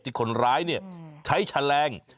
ที่คนร้ายใช้แฉลง